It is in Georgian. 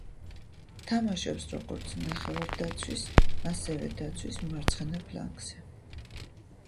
თამაშობს როგორც ნახევარდაცვის, ასევე დაცვის მარცხენა ფლანგზე.